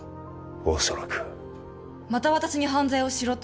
おそらくまた私に犯罪をしろと？